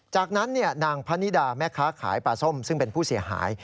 จากนั้นนางพนิดาแม่ค้าขายปลาส้มซึ่งเป็นผู้เสียหาย